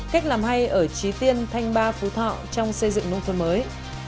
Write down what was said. cách làm hay ở trí tiên thanh ba phú thọ trong xây dựng nông thuận mới